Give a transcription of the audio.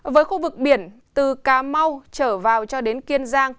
với khu vực biển từ cà mau trở vào cho đến kiên giang